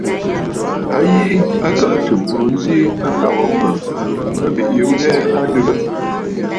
A yi a kəʼə̀tə̀ m̀burə nzi a nlɔ̀gə mə̀ mə bìʼiyu ghɛɛ a adɨgə.